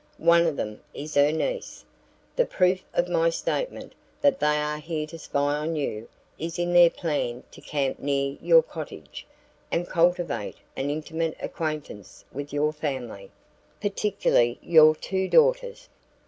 One of them is her niece. The proof of my statement that they are here to spy on you is in their plan to camp near your cottage and cultivate an intimate acquaintance with your family, particularly your two daughters.